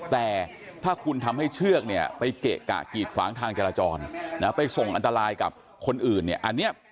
แต่ถ้าคุณทำให้เชือกเนี่ยไปเกะกะกีดขวางทางจราจรไปส่งอันตรายกับคนอื่นเนี่ยอันนี้